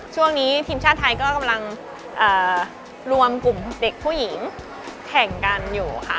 ช่วงนี้ทีมชาติไทยก็กำลังรวมกลุ่มเด็กผู้หญิงแข่งกันอยู่ค่ะ